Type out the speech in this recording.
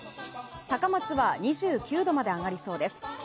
高松は２９度まで上がりそうです。